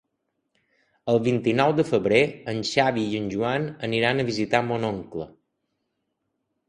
El vint-i-nou de febrer en Xavi i en Joan aniran a visitar mon oncle.